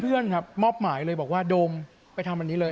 เพื่อนครับมอบหมายเลยบอกว่าโดมไปทำอันนี้เลย